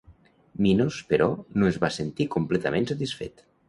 Minos però, no es va sentir completament satisfet.